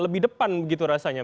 lebih depan begitu rasanya